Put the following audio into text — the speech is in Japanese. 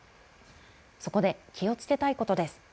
そこで気をつけたいことです。